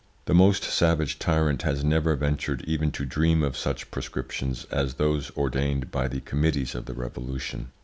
The most savage tyrant has never ventured even to dream of such proscriptions as those ordained by the committees of the Revolution.